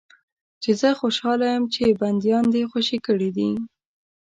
چې زه خوشاله یم چې بندیان دې خوشي کړي دي.